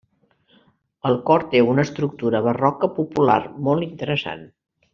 El cor té una estructura barroca popular, molt interessant.